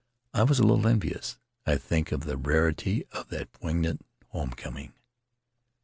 ... I was a little envious, I think, of the rarity of that poignant home coming.